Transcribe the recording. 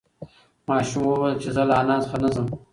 ماشوم وویل چې زه له انا څخه نه ځم.